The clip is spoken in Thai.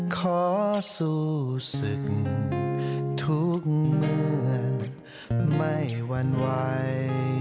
ขอสู้ศึกทุกเมื่อไม่หวั่นไหว